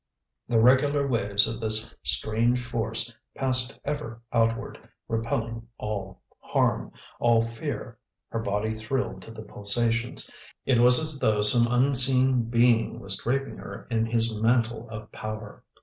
The regular waves of this strange force passed ever outward, repelling all harm, all fear; her body thrilled to the pulsations. It was as though some unseen being was draping her in his mantle of power.